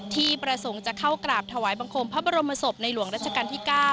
ที่ประสงค์จะเข้ากราบถวายบังคมพระบรมศพในหลวงรัชกาลที่๙